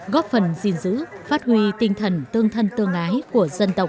góp phần gìn giữ phát huy tinh thần tương thân tương ái của dân tộc